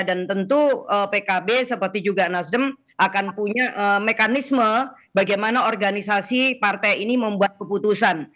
dan tentu pkb seperti juga nasdem akan punya mekanisme bagaimana organisasi partai ini membuat keputusan